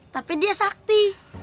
tapi dia sakti